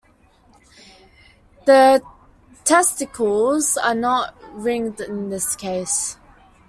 The testicles are not ringed in this case.